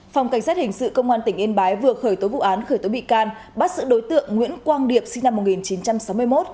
phòng cảnh sát hình sự công an tỉnh yên bái vừa khởi tố vụ án khởi tố bị can bắt giữ đối tượng nguyễn quang điệp sinh năm một nghìn chín trăm sáu mươi một